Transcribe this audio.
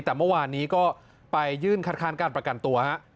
แต่เมื่อวานนี้ก็ไปยื่นคัดค้านการประกันตัวฮะ